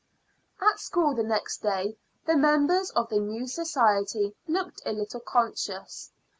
At school next day the members of the new society looked a little conscious.